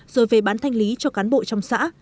rồi về bán thanh lý cho cán bộ trong xã